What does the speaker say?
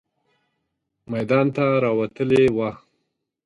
میدان ته راوتلې وه.